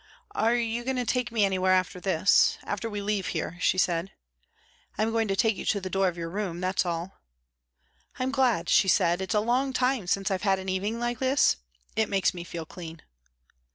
"Are you going to take me anywhere after this after we leave here?" she said. "I am going to take you to the door of your room, that's all." "I'm glad," she said; "it's a long time since I've had an evening like this. It makes me feel clean."